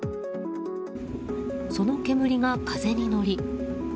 その煙が風に乗り。